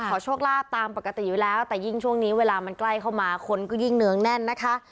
โชคลาภตามปกติอยู่แล้วแต่ยิ่งช่วงนี้เวลามันใกล้เข้ามาคนก็ยิ่งเนื้องแน่นนะคะ